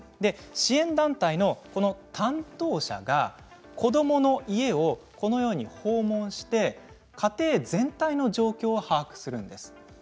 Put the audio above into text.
支援団体の担当者が子どもの家を訪問して家庭全体の状況を把握するんです。